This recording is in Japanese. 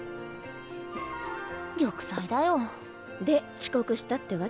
玉砕だよ。で遅刻したってわけか。